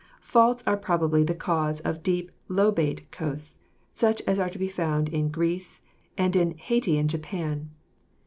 Faults are probably the cause of deep lobate coasts, such as are to be found in Greece and in Hayti and Japan.